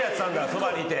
そばにいて。